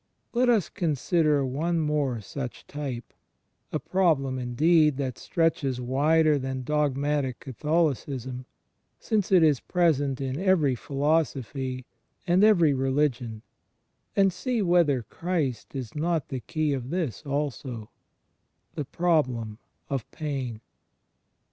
Let us consider one more such type — a problem indeed that stretches wider than dogmatic Catholicism, since it is present in every philosophy and every religion — and see whether Christ is not the Key of this also — the Problem of Pain.